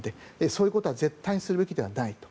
そういうことは絶対にするべきではないと。